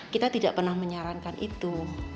kita tidak pernah menyarankan itu